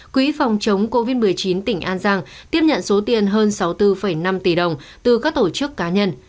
quỹ phòng chống covid một mươi chín tỉnh an giang tiếp nhận số tiền hơn sáu mươi bốn năm tỷ đồng từ các tổ chức cá nhân